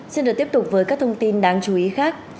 xin được tiếp tục với các thông tin đáng chú ý khác